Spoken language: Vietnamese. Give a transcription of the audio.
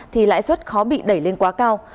thì lãi suất khó bị đẩy lên quá cao